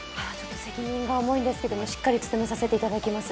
責任が重いんですがしっかり務めさせていただきます。